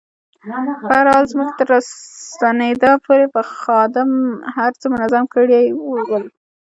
په هر حال زموږ تر راستنېدا پورې به خادم هر څه منظم کړي ول.